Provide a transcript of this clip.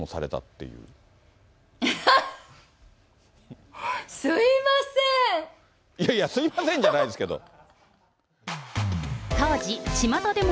いやいや、すみませんじゃないですけれども。